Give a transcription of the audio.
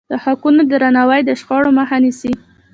د حقونو درناوی د شخړو مخه نیسي.